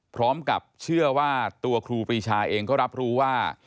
พร้อมกับเชื่อว่าตัวครูปรีชาเองก็รับรู้ว่า